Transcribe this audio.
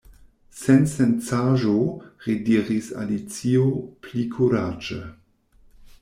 "Sensencaĵo," rediris Alicio pli kuraĝe.